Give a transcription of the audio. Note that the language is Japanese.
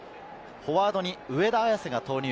フォワードに上田綺世が投入。